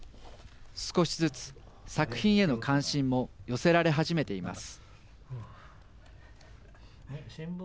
少しずつ作品への関心も寄せられ始めています。